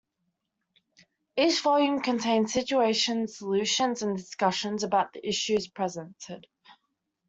Each volume contains situations, solutions, and discussions about the issues presented.